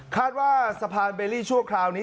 คาดว่าสะพานเบลลี่ชั่วคราวนี้